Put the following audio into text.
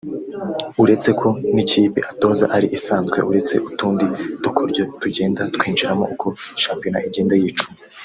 Uretse ko n'ikipe atoza ari isanzwe uretse utundi dukoryo tugenda twinjiramo uko shampiyona igenda yicuma